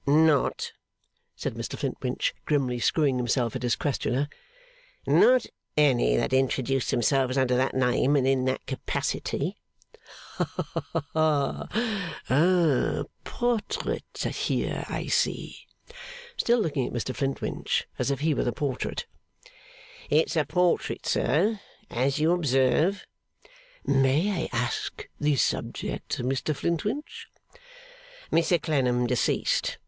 'Not,' said Mr Flintwinch, grimly screwing himself at his questioner, 'not any that introduce themselves under that name and in that capacity.' 'Haha! A portrait here, I see.' (Still looking at Mr Flintwinch, as if he were the portrait.) 'It's a portrait, sir, as you observe.' 'May I ask the subject, Mr Flintwinch?' 'Mr Clennam, deceased.